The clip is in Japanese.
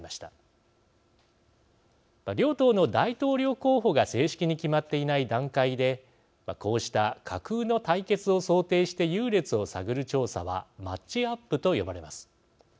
両党の大統領候補が正式に決まっていない段階でこうした架空の対決を想定して優劣を探る調査はマッチアップと呼ばれます。